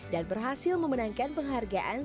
dan berhasil memenangkan penghargaan